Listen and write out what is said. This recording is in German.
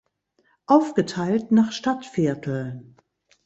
Aufgeteilt nach Stadtvierteln.